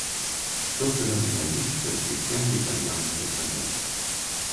Што трэба рабіць, каб дзіця не баялася казаць?